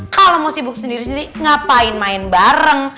kalau mau sibuk sendiri sendiri ngapain main bareng